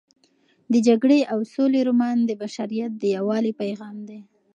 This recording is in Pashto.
د جګړې او سولې رومان د بشریت د یووالي پیغام دی.